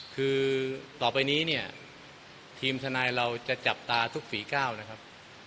คือต่อไปนี้เนี่ยทีมทนายเราจะจับตาทุกฝีก้าวนะครับ